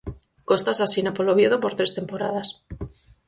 Costas asina polo Oviedo por tres temporadas.